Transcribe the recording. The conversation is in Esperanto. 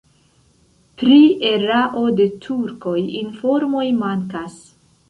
Pri erao de turkoj informoj mankas.